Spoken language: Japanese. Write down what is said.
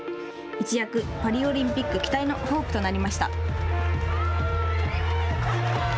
一躍、パリオリンピック期待のホープとなりました。